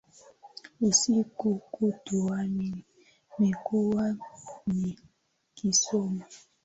Usiku kutwa nimekuwa nikisoma